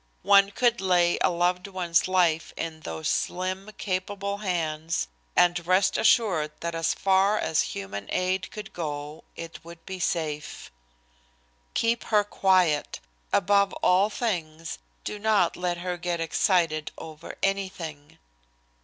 One could lay a loved one's life in those slim, capable hands and rest assured that as far as human aid could go it would be safe. "Keep her quiet. Above all things, do not let her get excited over anything."